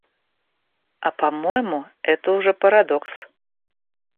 А по-моему, это уже парадокс.